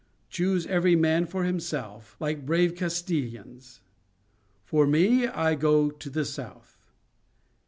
Choose, every man for himself, like brave Castilians. For me, I go to the south."